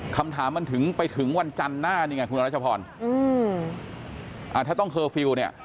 คำถามมันไปถึงวันจันทร์หน้าถ้าต้องเคอร์ฟิลล์เนี่ย